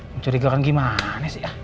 mencurigakan gimana sih